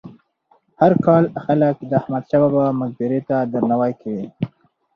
هر کال خلک د احمد شاه بابا مقبرې ته درناوی کوي.